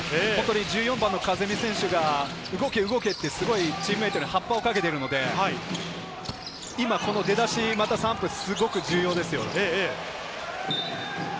カゼミ選手が動け動けってチームメートにハッパをかけているので、今、この出だし、また３分すごく重要ですよ。